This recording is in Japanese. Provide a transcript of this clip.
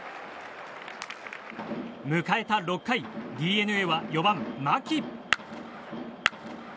迎えた６回、ＤｅＮＡは４番、牧。